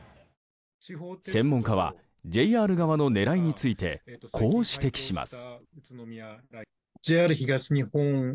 専門家はＪＲ側の狙いについてこう指摘します。